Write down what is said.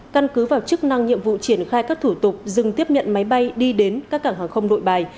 căn cứ vào chức năng nhiệm vụ triển khai các thủ tục dừng tiếp nhận máy bay đi đến các cảng hàng không nội bài